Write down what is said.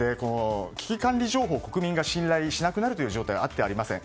危機管理情報を国民が信頼しなくなるという状態はあってはなりません。